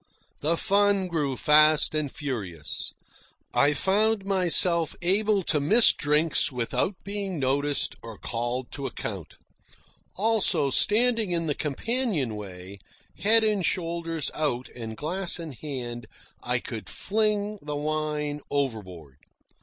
The fun grew fast and furious. I found myself able to miss drinks without being noticed or called to account. Also, standing in the companionway, head and shoulders out and glass in hand, I could fling the wine overboard.